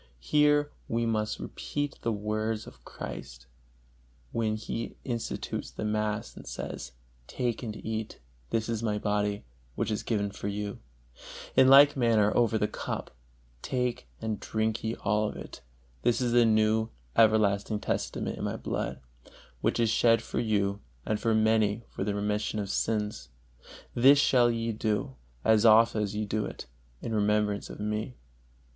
Here we must repeat the words of Christ, when He institutes the mass and says, "Take and eat, this is My Body, which is given for you"; in like manner over the cup, "Take and drink ye all of it: this is a new, everlasting Testament in My Blood, which is shed for you and for many for the remission of sins. This shall ye do, as oft as ye do it, in remembrance of Me."